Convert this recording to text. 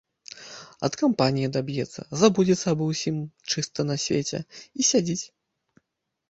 Ад кампаніі адаб'ецца, забудзецца аба ўсім чыста на свеце і сядзіць.